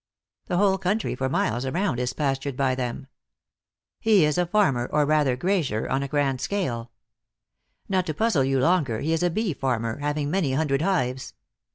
The whole country for miles around is pastured by them. He is a farmer, or rather grazier, on a grand scale. Not to puzzle you longer, he is a bee farmer, having many hundred hives.